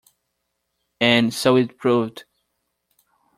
And so it proved.